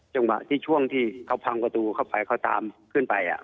จังหวะที่ช่วงที่เขาพังประตูเข้าไปเขาตามขึ้นไป